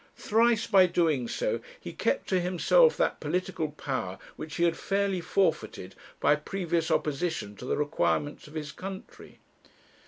Thrice by doing so he kept to himself that political power which he had fairly forfeited by previous opposition to the requirements of his country.